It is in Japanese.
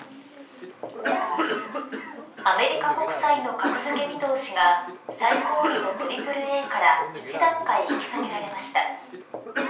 アメリカ国債の格付け見通しが最高位のＡＡＡから１段階引き下げられました。